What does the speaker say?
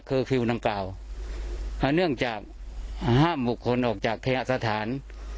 เคอร์คิวตั้งเก่าเนื่องจากห้ามบุคคลออกจากขยะสถาน